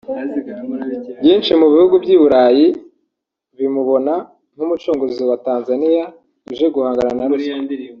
Byinshi mu bihugu by’i Burayi bimubona nk’umucunguzi wa Tanzania uje guhangana na ruswa